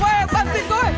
weh bantuin gue